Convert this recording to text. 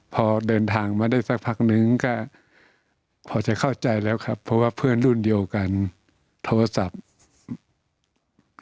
พอเดินทางมาได้สักพักนึงก็พอจะเข้าใจแล้วครับเพราะว่าเพื่อนรุ่นเดียวกันโทรศัพท์